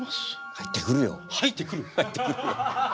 入ってくるよ。